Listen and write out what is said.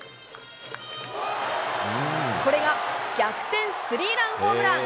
これが逆転スリーランホームラン。